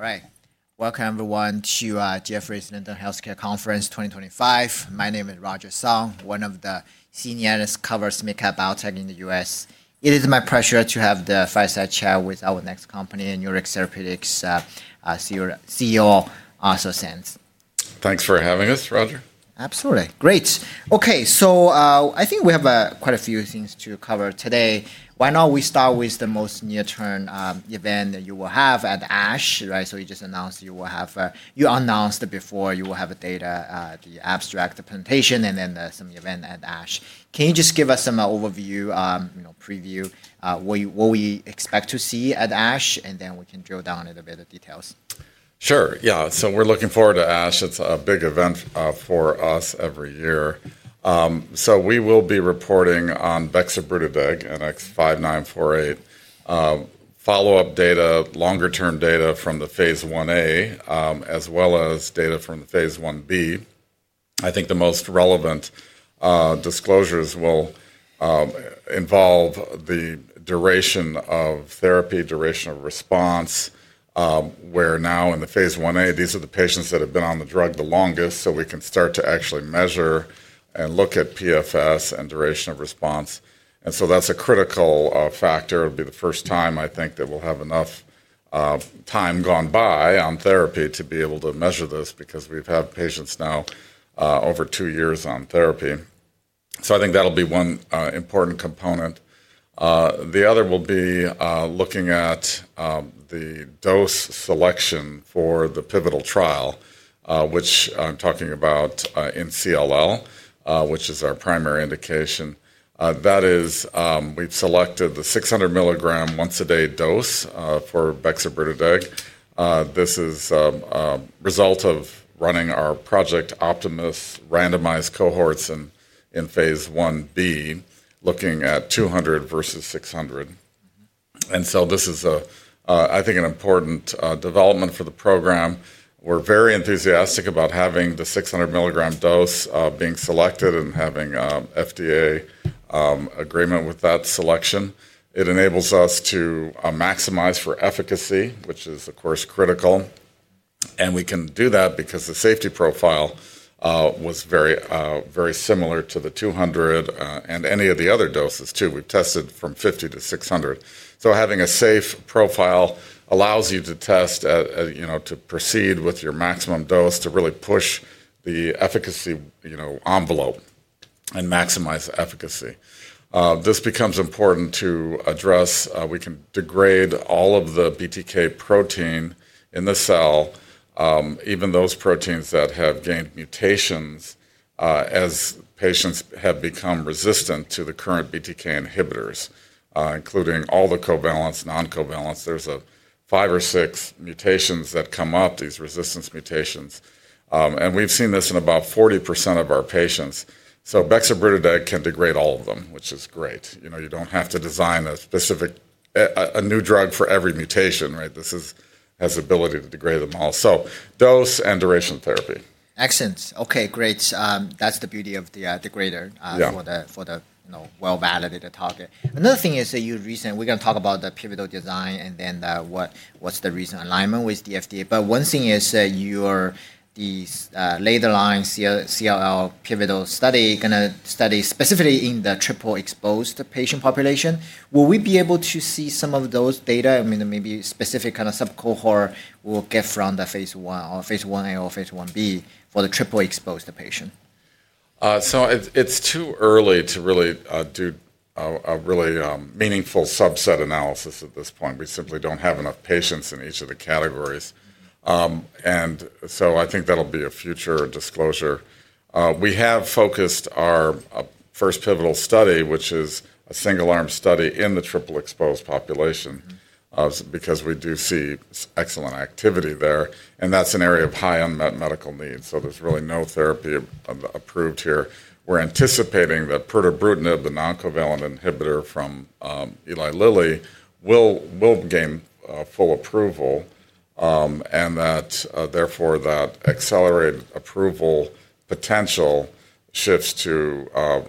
All right. Welcome, everyone, to Jefferies London Healthcare Conference 2025. My name is Roger Song, one of the senior analysts covering medical biotech in the U.S. It is my pleasure to have the fireside chat with our next company, Nurix Therapeutics' CEO, Arthur Sands. Thanks for having us, Roger. Absolutely. Great. Okay, I think we have quite a few things to cover today. Why don't we start with the most near-term event that you will have at ASH, right? You just announced you will have—you announced before you will have a data, the abstract, the presentation, and then some event at ASH. Can you just give us some overview, preview, what we expect to see at ASH, and then we can drill down a little bit of details? Sure. Yeah. We're looking forward to ASH. It's a big event for us every year. We will be reporting on bexobrutideg and NX-5948, follow-up data, longer-term data from the phase Ia, as well as data from the phase Ib. I think the most relevant disclosures will involve the duration of therapy, duration of response, where now in the phase Ia, these are the patients that have been on the drug the longest, so we can start to actually measure and look at PFS and duration of response. That's a critical factor. It'll be the first time, I think, that we'll have enough time gone by on therapy to be able to measure this because we've had patients now over two years on therapy. I think that'll be one important component. The other will be looking at the dose selection for the pivotal trial, which I'm talking about in CLL, which is our primary indication. That is, we've selected the 600 mg once-a-day dose for bexobrutideg. This is a result of running our Project Optimus randomized cohorts in phaseIb, looking at 200 mg versus 600 mg. I think this is an important development for the program. We're very enthusiastic about having the 600 mg dose being selected and having FDA agreement with that selection. It enables us to maximize for efficacy, which is, of course, critical. We can do that because the safety profile was very similar to the 200 mg and any of the other doses, too. We've tested from 50 mg-600 mg. Having a safe profile allows you to proceed with your maximum dose, to really push the efficacy envelope and maximize efficacy. This becomes important to address. We can degrade all of the BTK protein in the cell, even those proteins that have gained mutations, as patients have become resistant to the current BTK inhibitors, including all the covalents, non-covalents. There are five or six mutations that come up, these resistance mutations. We have seen this in about 40% of our patients. Bexobrutideg can degrade all of them, which is great. You do not have to design a specific new drug for every mutation, right? This has the ability to degrade them all. Dose and duration therapy. Excellent. Okay, great. That's the beauty of the degrader for the well-validated target. Another thing is that you recently—we're going to talk about the pivotal design and then what's the recent alignment with the FDA. One thing is that your later-line CLL pivotal study is going to study specifically in the triple-exposed patient population. Will we be able to see some of those data? I mean, maybe specific kind of sub-cohort we'll get from the phase Ia or phase Ib for the triple-exposed patient? It is too early to really do a really meaningful subset analysis at this point. We simply do not have enough patients in each of the categories. I think that will be a future disclosure. We have focused our first pivotal study, which is a single-arm study in the triple-exposed population because we do see excellent activity there. That is an area of high unmet medical need. There is really no therapy approved here. We are anticipating that pirtobrutinib, the non-covalent inhibitor from Eli Lilly, will gain full approval and that, therefore, that accelerated approval potential shifts to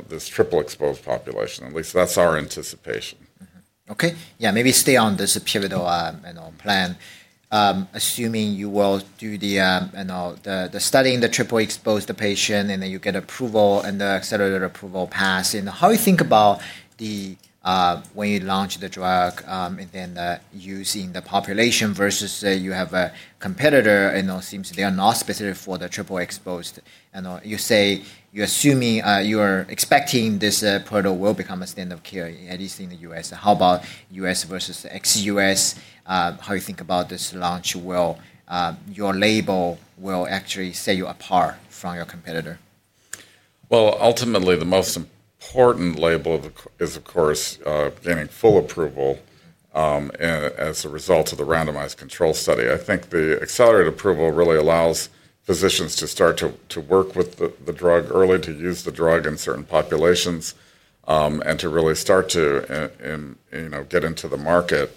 this triple-exposed population. At least that is our anticipation. Okay. Yeah, maybe stay on this pivotal plan, assuming you will do the study in the triple-exposed patient and then you get approval and the accelerated approval path. How do you think about when you launch the drug and then using the population versus you have a competitor and it seems they are not specific for the triple-exposed? You're assuming you're expecting this product will become a standard of care, at least in the U.S. How about U.S. versus ex-U.S.? How do you think about this launch? Will your label actually set you apart from your competitor? Ultimately, the most important label is, of course, gaining full approval as a result of the randomized control study. I think the accelerated approval really allows physicians to start to work with the drug early, to use the drug in certain populations, and to really start to get into the market.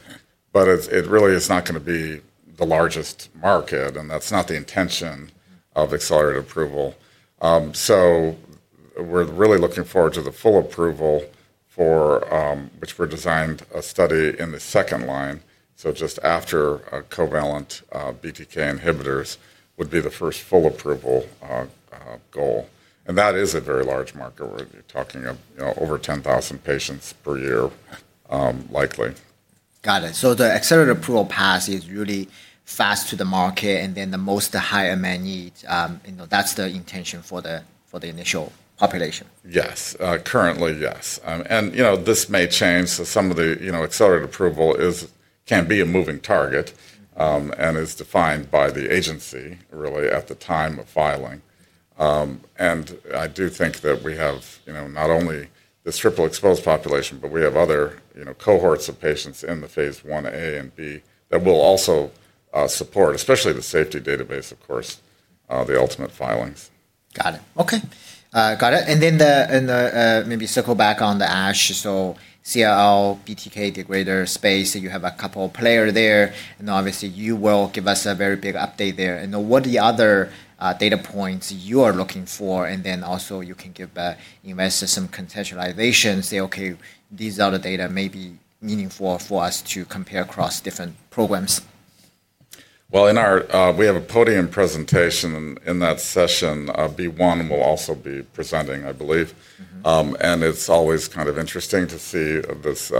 It really is not going to be the largest market, and that's not the intention of accelerated approval. We're really looking forward to the full approval for which we're designed a study in the second line. Just after covalent BTK inhibitors would be the first full approval goal. That is a very large marker where you're talking over 10,000 patients per year, likely. Got it. The accelerated approval path is really fast to the market, and then the most high unmet need, that's the intention for the initial population? Yes. Currently, yes. This may change. Some of the accelerated approval can be a moving target and is defined by the agency, really, at the time of filing. I do think that we have not only this triple-exposed population, but we have other cohorts of patients in the phase Ia and Ib that will also support, especially the safety database, of course, the ultimate filings. Got it. Okay. Got it. Maybe circle back on the ASH. CLL, BTK degrader space, you have a couple of players there. Obviously, you will give us a very big update there. What are the other data points you are looking for? Also, you can give investors some contextualization, say, "Okay, these are the data may be meaningful for us to compare across different programs. We have a podium presentation in that session. B1 will also be presenting, I believe. It is always kind of interesting to see this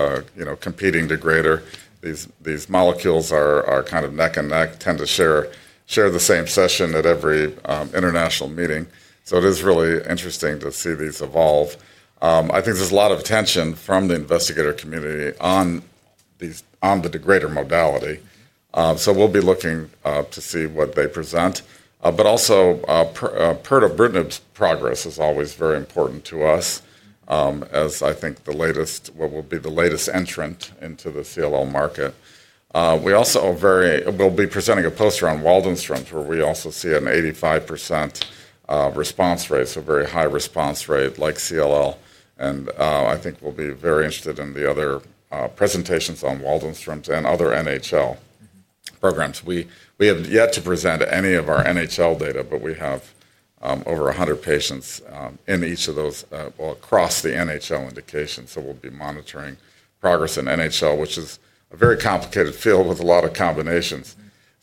competing degrader. These molecules are kind of neck and neck, tend to share the same session at every international meeting. It is really interesting to see these evolve. I think there is a lot of attention from the investigator community on the degrader modality. We will be looking to see what they present. Pertobrutinib's progress is always very important to us, as I think what will be the latest entrant into the CLL market. We also will be presenting a poster on Waldenstrom's, where we also see an 85% response rate, so very high response rate like CLL. I think we will be very interested in the other presentations on Waldenstrom's and other NHL programs. We have yet to present any of our NHL data, but we have over 100 patients in each of those across the NHL indication. We will be monitoring progress in NHL, which is a very complicated field with a lot of combinations.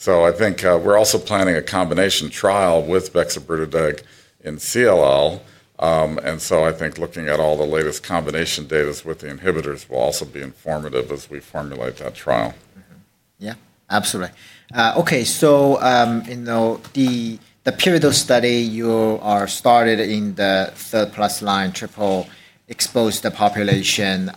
I think we are also planning a combination trial with bexobrutideg in CLL. I think looking at all the latest combination data with the inhibitors will also be informative as we formulate that trial. Yeah, absolutely. Okay, so the pivotal study you are started in the third-plus line triple-exposed population.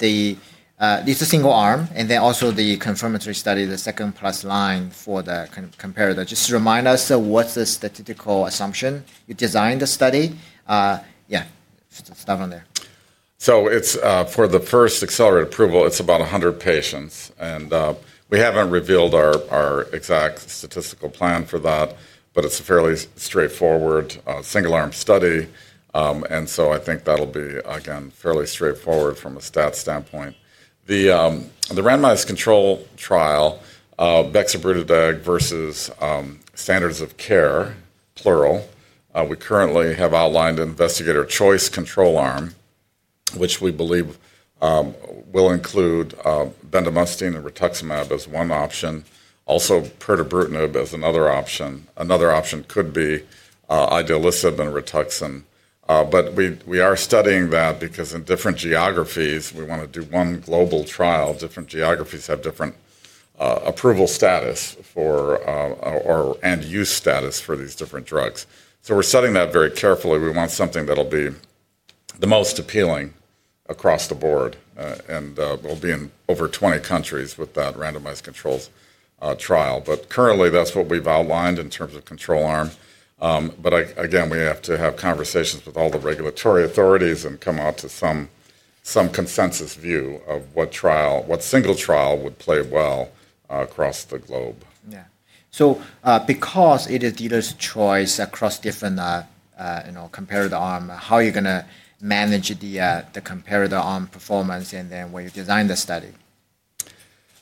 This is single-arm, and then also the confirmatory study, the second-plus line for the comparator. Just remind us, what's the statistical assumption you designed the study? Yeah, start from there. For the first accelerated approval, it's about 100 patients. We haven't revealed our exact statistical plan for that, but it's a fairly straightforward single-arm study. I think that'll be, again, fairly straightforward from a stats standpoint. The randomized control trial, bexobrutideg versus standards of care, plural. We currently have outlined investigator choice control arm, which we believe will include bendamustine and rituximab as one option. Also, pirtobrutinib as another option. Another option could be idelalisib and rituximab. We are studying that because in different geographies, we want to do one global trial. Different geographies have different approval status and use status for these different drugs. We are studying that very carefully. We want something that'll be the most appealing across the board. We will be in over 20 countries with that randomized control trial. Currently, that's what we've outlined in terms of control arm. Again, we have to have conversations with all the regulatory authorities and come out to some consensus view of what single trial would play well across the globe. Yeah. Because it is dealers' choice across different comparator arm, how are you going to manage the comparator arm performance and then when you design the study?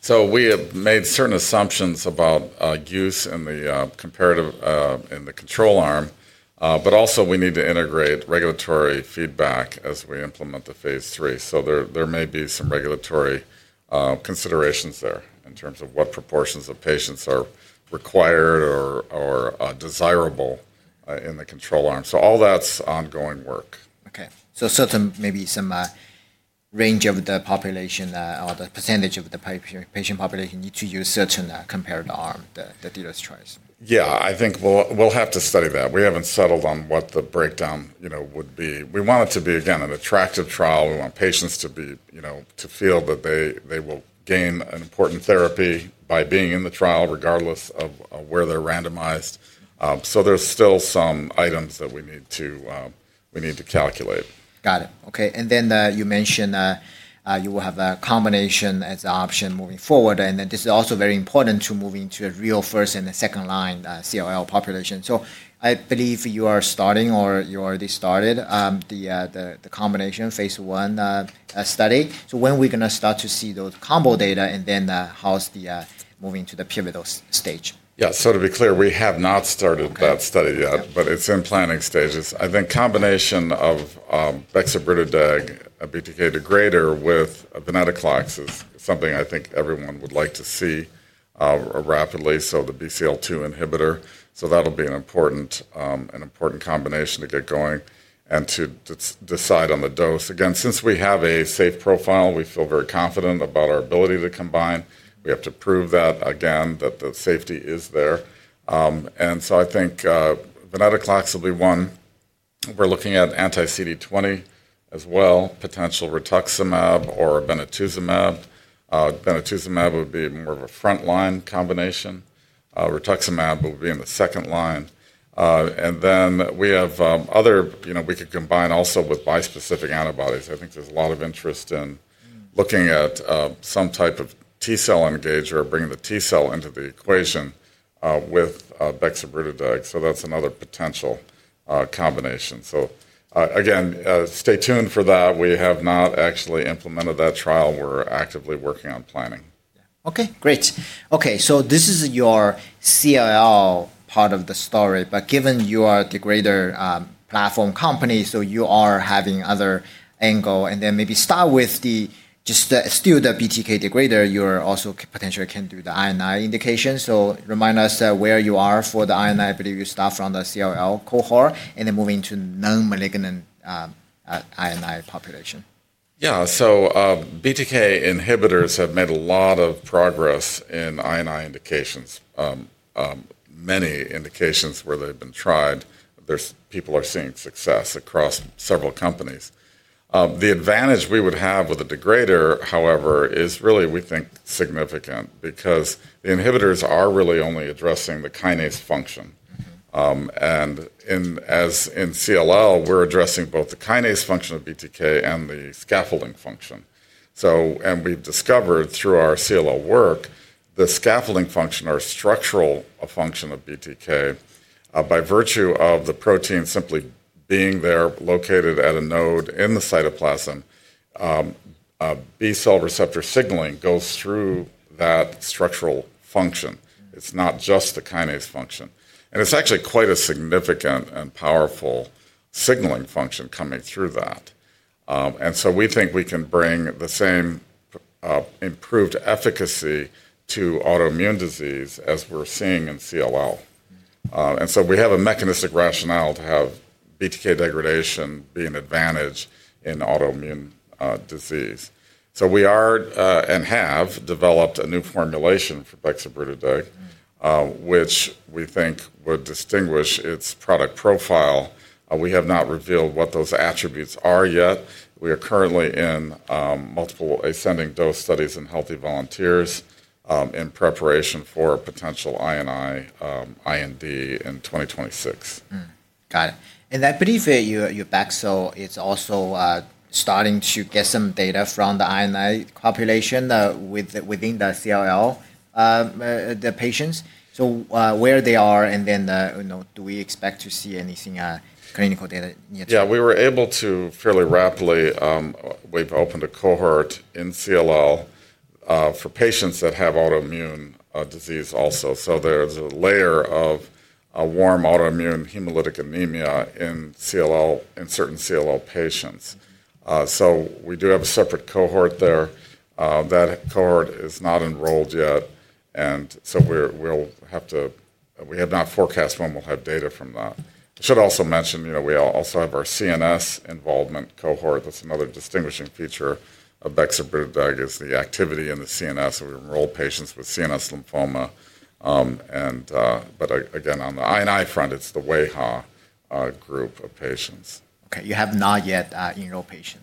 We have made certain assumptions about use in the control arm, but also we need to integrate regulatory feedback as we implement the phase III. There may be some regulatory considerations there in terms of what proportions of patients are required or desirable in the control arm. All that's ongoing work. Okay. So maybe some range of the population or the percentage of the patient population need to use certain comparator arm, the dealer's choice. Yeah, I think we'll have to study that. We haven't settled on what the breakdown would be. We want it to be, again, an attractive trial. We want patients to feel that they will gain an important therapy by being in the trial regardless of where they're randomized. There are still some items that we need to calculate. Got it. Okay. You mentioned you will have a combination as an option moving forward. This is also very important to move into a real first and second-line CLL population. I believe you are starting or you already started the combination phase I study. When are we going to start to see those combo data and how is the moving to the pivotal stage? Yeah, so to be clear, we have not started that study yet, but it's in planning stages. I think combination of bexobrutideg BTK degrader with venetoclax is something I think everyone would like to see rapidly, so the BCL-2 inhibitor. That'll be an important combination to get going and to decide on the dose. Again, since we have a safe profile, we feel very confident about our ability to combine. We have to prove that, again, that the safety is there. I think venetoclax will be one. We're looking at anti-CD20 as well, potential rituximab or obinutuzumab. Obinutuzumab would be more of a front-line combination. Rituximab would be in the second line. We have other we could combine also with bispecific antibodies. I think there's a lot of interest in looking at some type of T-cell engager or bringing the T-cell into the equation with bexobrutideg. That's another potential combination. Again, stay tuned for that. We have not actually implemented that trial. We're actively working on planning. Okay, great. Okay, this is your CLL part of the story, but given you are a degrader platform company, you are having other angles. Maybe start with just still the BTK degrader, you also potentially can do the INI indication. Remind us where you are for the INI. I believe you start from the CLL cohort and then move into non-malignant INI population. Yeah, so BTK inhibitors have made a lot of progress in many indications where they've been tried. People are seeing success across several companies. The advantage we would have with a degrader, however, is really, we think, significant because the inhibitors are really only addressing the kinase function. As in CLL, we're addressing both the kinase function of BTK and the scaffolding function. We've discovered through our CLL work, the scaffolding function or structural function of BTK, by virtue of the protein simply being there located at a node in the cytoplasm, B-cell receptor signaling goes through that structural function. It's not just the kinase function. It's actually quite a significant and powerful signaling function coming through that. We think we can bring the same improved efficacy to autoimmune disease as we're seeing in CLL. We have a mechanistic rationale to have BTK degradation be an advantage in autoimmune disease. We are and have developed a new formulation for bexobrutideg, which we think would distinguish its product profile. We have not revealed what those attributes are yet. We are currently in multiple ascending dose studies in healthy volunteers in preparation for potential IND in 2026. Got it. I believe your bexo is also starting to get some data from the INI population within the CLL patients. Where they are and then do we expect to see any clinical data near? Yeah, we were able to fairly rapidly. We've opened a cohort in CLL for patients that have autoimmune disease also. There is a layer of warm autoimmune hemolytic anemia in certain CLL patients. We do have a separate cohort there. That cohort is not enrolled yet. We have not forecast when we'll have data from that. I should also mention, we also have our CNS involvement cohort. That's another distinguishing feature of bexobrutideg is the activity in the CNS. We enroll patients with CNS lymphoma. Again, on the IND front, it's the AIHA group of patients. Okay, you have not yet enrolled patients?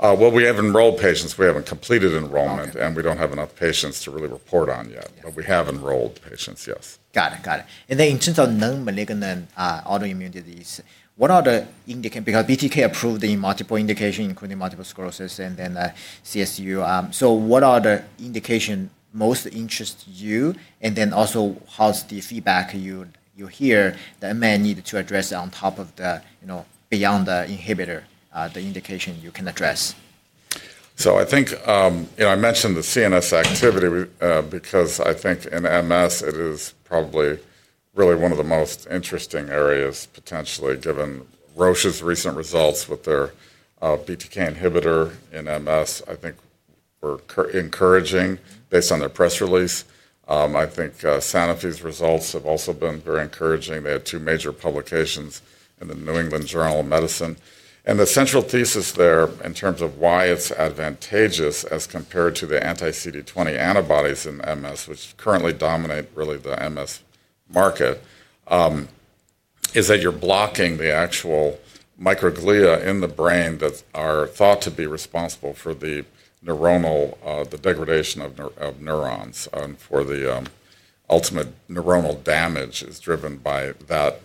We have enrolled patients. We haven't completed enrollment, and we don't have enough patients to really report on yet. But we have enrolled patients, yes. Got it. Got it. In terms of non-malignant autoimmune disease, what are the indications? Because BTK approved in multiple indications, including multiple sclerosis and then CSU. What are the indications most interest you? How's the feedback you hear that men need to address on top of the beyond the inhibitor, the indication you can address? I think I mentioned the CNS activity because I think in MS, it is probably really one of the most interesting areas potentially given Roche's recent results with their BTK inhibitor in MS. I think we're encouraging based on their press release. I think Sanofi's results have also been very encouraging. They had two major publications in the New England Journal of Medicine. The central thesis there in terms of why it's advantageous as compared to the anti-CD20 antibodies in MS, which currently dominate really the MS market, is that you're blocking the actual microglia in the brain that are thought to be responsible for the neuronal, the degradation of neurons. For the ultimate neuronal damage is driven by that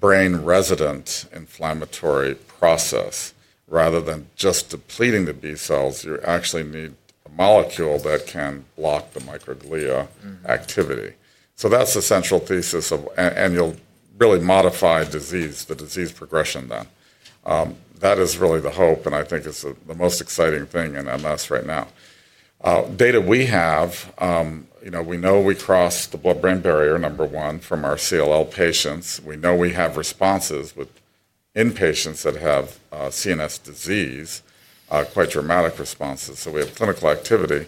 brain-resident inflammatory process. Rather than just depleting the B cells, you actually need a molecule that can block the microglia activity. That's the central thesis of, and you'll really modify the disease progression then. That is really the hope, and I think it's the most exciting thing in MS right now. Data we have, we know we cross the blood-brain barrier, number one, from our CLL patients. We know we have responses with inpatients that have CNS disease, quite dramatic responses. We have clinical activity.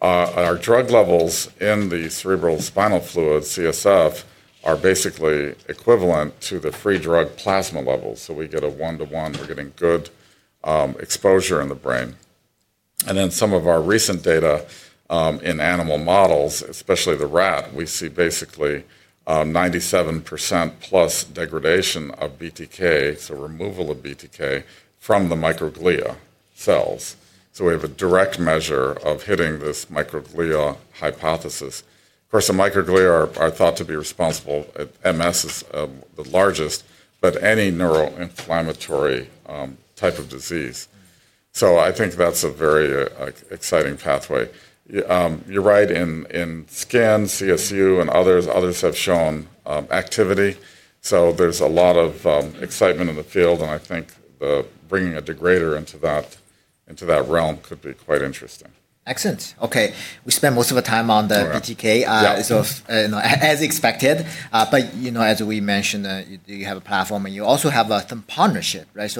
Our drug levels in the cerebral spinal fluid, CSF, are basically equivalent to the free drug plasma levels. We get a one-to-one. We're getting good exposure in the brain. Some of our recent data in animal models, especially the rat, we see basically 97%+ degradation of BTK, so removal of BTK from the microglia cells. We have a direct measure of hitting this microglia hypothesis. Of course, the microglia are thought to be responsible. MS is the largest, but any neuroinflammatory type of disease. I think that's a very exciting pathway. You're right. In skin, CSU, and others, others have shown activity. There's a lot of excitement in the field. I think bringing a degrader into that realm could be quite interesting. Excellent. Okay. We spent most of our time on the BTK, as expected. As we mentioned, you have a platform, and you also have some partnership, right?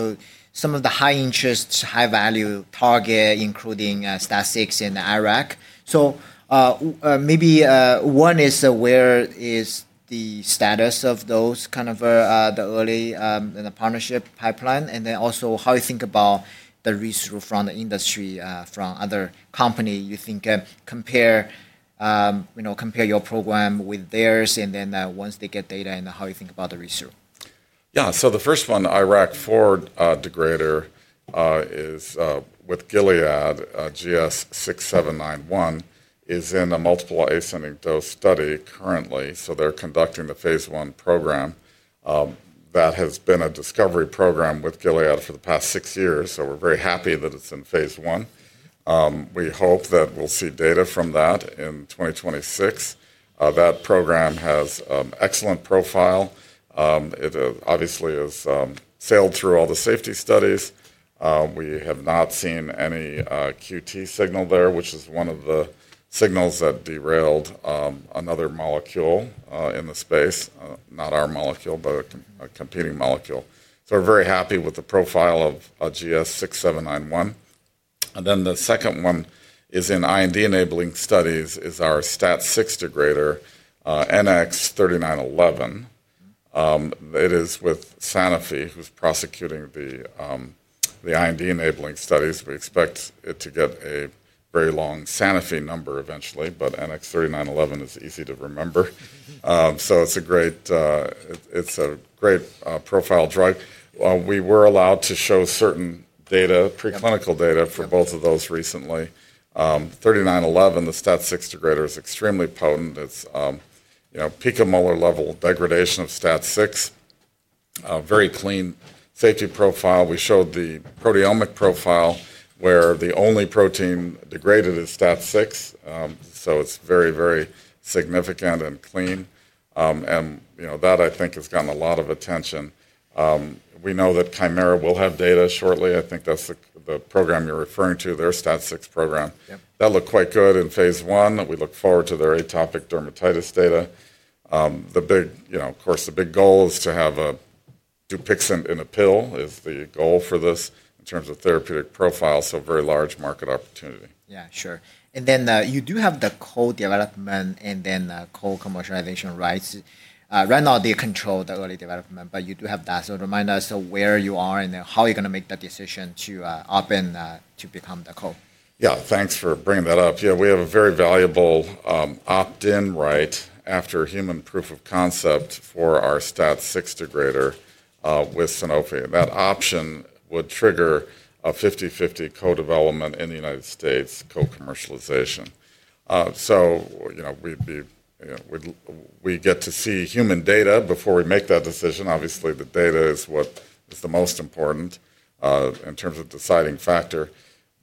Some of the high-interest, high-value targets, including STAT6 and IRAK4. Maybe one is, where is the status of those, kind of the early partnership pipeline? Also, how do you think about the research from the industry, from other companies? You think, compare your program with theirs, and then once they get data, how do you think about the research? Yeah, so the first one, IRAK4 degrader, with Gilead GS-6791, is in a multiple ascending dose study currently. They are conducting the phase I program. That has been a discovery program with Gilead for the past six years. We are very happy that it is in phase I. We hope that we will see data from that in 2026. That program has an excellent profile. It obviously has sailed through all the safety studies. We have not seen any QT signal there, which is one of the signals that derailed another molecule in the space, not our molecule, but a competing molecule. We are very happy with the profile of GS-6791. The second one is in IND enabling studies, it is our STAT6 degrader, NX-3911. It is with Sanofi, who is prosecuting the IND enabling studies. We expect it to get a very long Sanofi number eventually, but NX-3911 is easy to remember. It is a great profile drug. We were allowed to show certain data, preclinical data for both of those recently. NX-3911, the STAT6 degrader, is extremely potent. It is picomolar level degradation of STAT6, very clean safety profile. We showed the proteomic profile where the only protein degraded is STAT6. It is very, very significant and clean. That, I think, has gotten a lot of attention. We know that chimera will have data shortly. I think that is the program you are referring to, their STAT6 program. That looked quite good in phase I. We look forward to their atopic dermatitis data. The big goal is to have a dupixent in a pill as the goal for this in terms of therapeutic profile, so very large market opportunity. Yeah, sure. You do have the co-development and then co-commercialization, right? Right now, they control the early development, but you do have that. Remind us where you are and how you're going to make that decision to opt in to become the co? Yeah, thanks for bringing that up. Yeah, we have a very valuable opt-in right after human proof of concept for our STAT6 degrader with Sanofi. That option would trigger a 50-50 co-development in the United States, co-commercialization. We get to see human data before we make that decision. Obviously, the data is what is the most important in terms of deciding factor.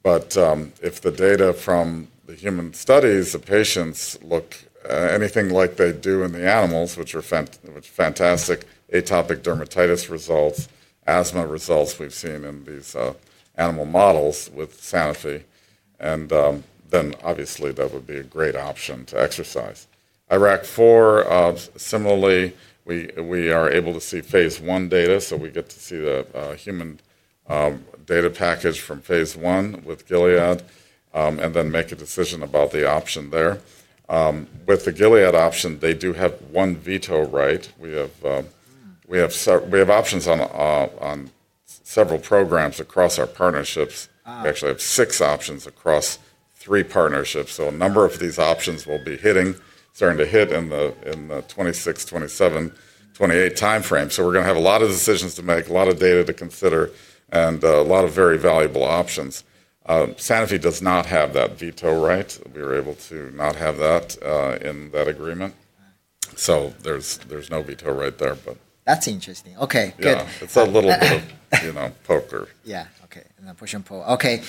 If the data from the human studies, the patients look anything like they do in the animals, which are fantastic atopic dermatitis results, asthma results we've seen in these animal models with Sanofi, that would be a great option to exercise. IRAK4, similarly, we are able to see phase I data. We get to see the human data package from phase I with Gilead and then make a decision about the option there. With the Gilead option, they do have one veto right. We have options on several programs across our partnerships. We actually have six options across three partnerships. A number of these options will be starting to hit in the 2026, 2027, 2028 timeframe. We are going to have a lot of decisions to make, a lot of data to consider, and a lot of very valuable options. Sanofi does not have that veto right. We were able to not have that in that agreement. There is no veto right there, but. That's interesting. Okay, good. Yeah, it's a little bit of poker. Yeah, okay. Push and pull. Okay.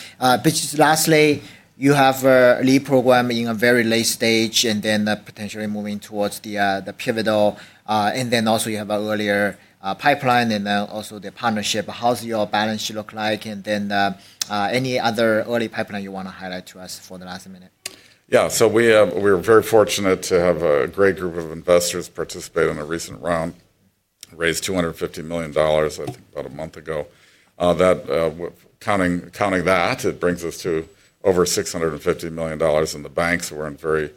Lastly, you have a lead program in a very late stage and potentially moving towards the pivotal. You also have an earlier pipeline and the partnership. How's your balance sheet look like? Any other early pipeline you want to highlight to us for the last minute? Yeah, so we were very fortunate to have a great group of investors participate in a recent round, raised $250 million, I think, about a month ago. Counting that, it brings us to over $650 million in the banks. We're in a very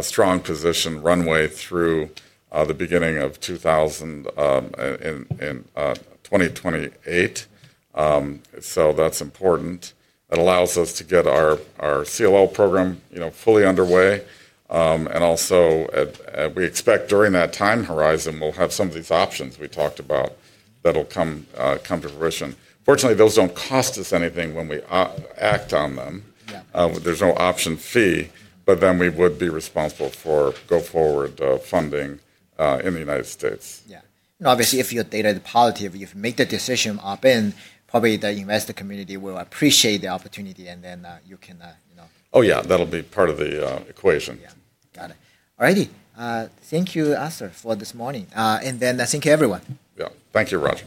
strong position runway through the beginning of 2028. That allows us to get our CLL program fully underway. Also we expect during that time horizon, we'll have some of these options we talked about that'll come to fruition. Fortunately, those don't cost us anything when we act on them. There's no option fee, but then we would be responsible for go forward funding in the United States. Yeah. Obviously, if your data is positive, you've made the decision to opt in, probably the investor community will appreciate the opportunity and then you can. Oh, yeah, that'll be part of the equation. Yeah. Got it. All righty. Thank you, Arthur, for this morning. Thank you, everyone. Yeah, thank you, Roger.